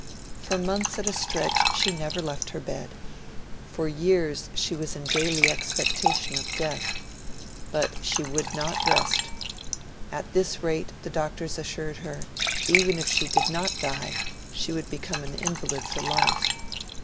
For months at a stretch she never left her bed. For years she was in daily expectation of death. But she would not rest. At this rate, the doctors assured her, even if she did not die, she would, become an invalid for life.